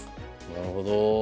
なるほど。